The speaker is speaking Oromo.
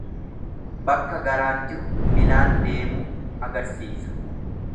Bakka garaan jiru milaan deemuu agarsiisa.